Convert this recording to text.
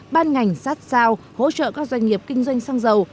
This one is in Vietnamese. ban ngành sát sao hỗ trợ các doanh nghiệp kinh doanh sang giàu